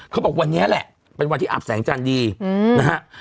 เขาบอกวันนี้แหละเป็นวันที่อาบแสงจันทร์ดีนะฮะ